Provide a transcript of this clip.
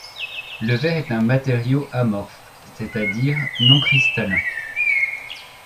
Le verre est un matériau amorphe, c’est-à-dire non cristallin.